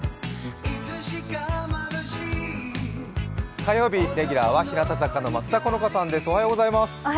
火曜日、レギュラーは日向坂４６の松田好花さんです。